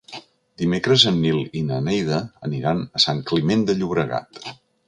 Dimecres en Nil i na Neida aniran a Sant Climent de Llobregat.